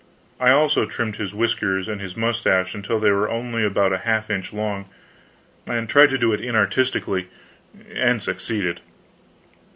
I also trimmed his whiskers and mustache until they were only about a half inch long; and tried to do it inartistically, and succeeded.